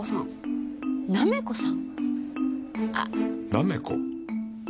なめこ？